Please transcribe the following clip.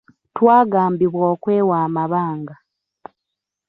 Twagambibwa okwewa amanga.